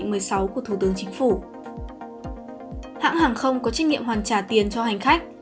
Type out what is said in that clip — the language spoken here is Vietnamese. đến thành phố của thủ tướng chính phủ hãng hàng không có trách nhiệm hoàn trả tiền cho hành khách